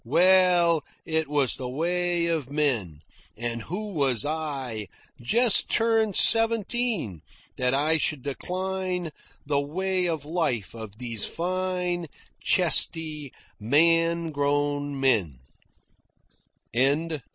Well, it was the way of men, and who was I, just turned seventeen, that I should decline the way of life of these fine, chesty, man grown men?